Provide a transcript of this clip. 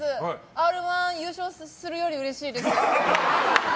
「Ｒ‐１」優勝するよりうれしい。